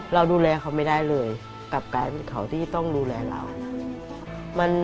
เราดูแลเขาไม่ได้เลยกลับกลายเป็นเขาที่ต้องดูแลเรา